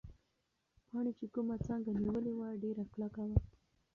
پاڼې چې کومه څانګه نیولې وه، ډېره کلکه وه.